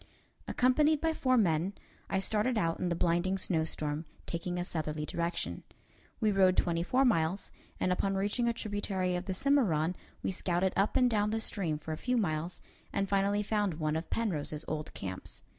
Accompanied by four men, I started out in the blinding snowstorm, taking a southerly direction. We rode twenty four miles, and upon reaching a tributary of the Cimarron, we scouted up and down the stream for a few miles, and finally found one of Penrose's old camps.